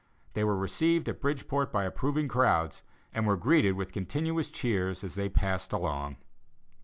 They were received at Bridgeport by approving crowds, and were greeted with continuous cheers as they passed along."